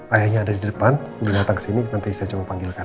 ayahnya ada di depan dulu datang ke sini nanti saya coba panggilkan